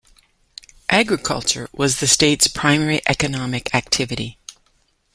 Agriculture was the state's primary economic activity.